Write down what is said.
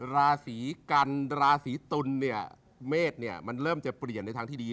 ราศีกันราศีตุลเนี่ยเมษเนี่ยมันเริ่มจะเปลี่ยนในทางที่ดี